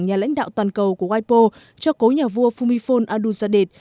nhà lãnh đạo toàn cầu của wipo cho cố nhà vua fumifol adulzadeh